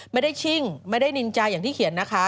ไม่ได้ชิ่งไม่ได้นินใจอย่างที่เขียนนะคะ